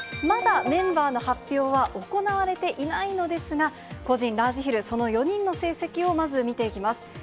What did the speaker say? まだメンバーの発表は行われていないのですが、個人ラージヒル、その４人の成績をまず見ていきます。